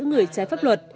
người trái pháp luật